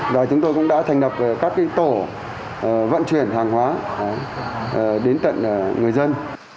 rồi chúng tôi cũng đã thành lập các cái tổ vận chuyển hàng hóa đến tận người dân